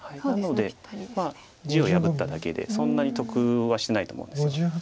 なので地を破っただけでそんなに得はしてないと思うんです。